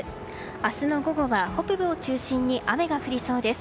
明日の午後は北部を中心に雨が降りそうです。